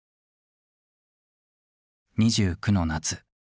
２９の夏。